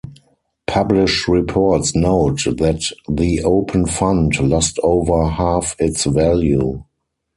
Published reports note that the open fund lost over half its value.